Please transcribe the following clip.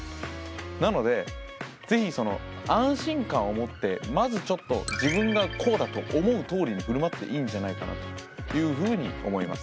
なので是非安心感を持ってまずちょっと自分がこうだと思うとおりに振る舞っていいんじゃないかというふうに思います。